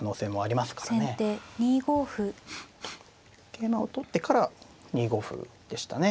桂馬を取ってから２五歩でしたね。